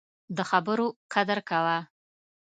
د خبرو قدر کوه